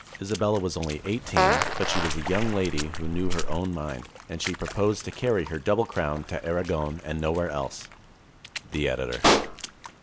Isabella was only eighteen, but she was a young lady who knew her own mind, and she proposed to carry her double crown to Aragon and nowhere else. The Editor.